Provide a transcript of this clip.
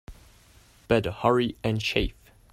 Better hurry and shave.